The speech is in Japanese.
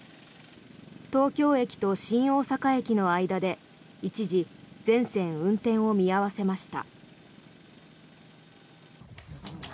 東京駅と新大阪駅の間で一時全線運転を見合わせました。